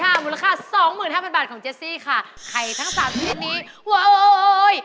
ค่ะของเจสสีศ์ข้าไข่ทั้ง๓แบบนี้